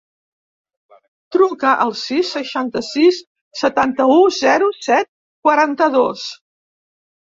Truca al sis, seixanta-sis, setanta-u, zero, set, quaranta-dos.